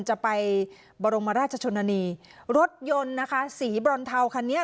จะไปบรมราชชนนานีรถยนต์นะคะสีบรอนเทาคันนี้